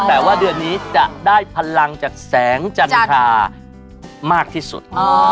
แต่ว่าเดือนนี้จะได้พลังจากแสงจันทรามากที่สุด